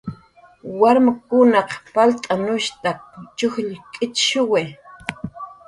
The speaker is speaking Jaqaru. Warmkunaq palt'anushtak chujll k'ichshuwi.